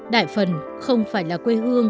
đại phần không phải là quê hương